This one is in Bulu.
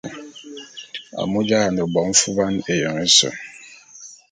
Amu j’ayiane bo mfuban éyoñ ése.